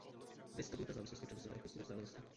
Viz tabulka závislosti přenosové rychlosti na vzdálenosti.